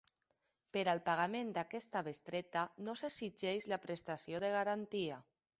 Per al pagament d'aquesta bestreta no s'exigeix la prestació de garantia.